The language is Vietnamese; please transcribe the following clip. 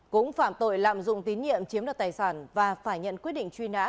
cũng phạm tội lạm dụng tín nhiệm chiếm đoạt tài sản và phải nhận quyết định truy nã